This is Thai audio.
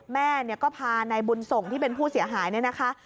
แม่ก็พานายบุญส่งที่เป็นผู้เสียหายเนี่ยนะคะ